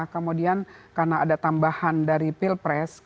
kemudian karena ada tambahan dari pilpres